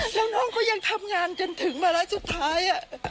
แล้วน้องก็ยังทำงานจนถึงวาระสุดท้าย